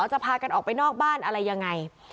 จะพากันออกไปนอกบ้านอะไรยังไง